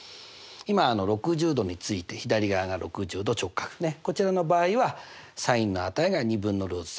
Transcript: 今６０°について左側が６０°直角こちらの場合はｓｉｎの値が２分のルート